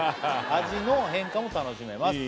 「味の変化も楽しめます」